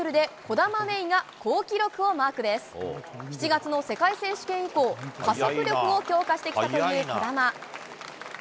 ７月の世界選手権以降、加速力を強化してきたという兒玉。